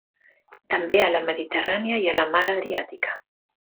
També a la Mediterrània i la Mar Adriàtica.